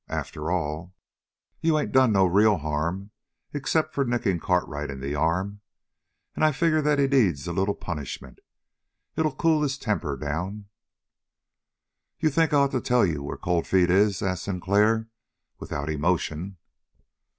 After all, you ain't done no real harm except for nicking Cartwright in the arm, and I figure that he needs a little punishment. It'll cool his temper down." "You think I ought to tell you where Cold Feet is?" asked Sinclair without emotion.